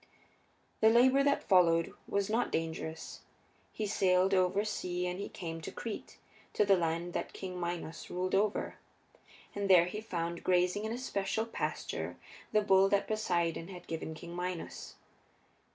The labor that followed was not dangerous. He sailed over sea and he came to Crete, to the land that King Minos ruled over. And there he found, grazing in a special pasture, the bull that Poseidon had given King Minos.